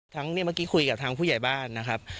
เนี่ยเมื่อกี้คุยกับทางผู้ใหญ่บ้านนะครับ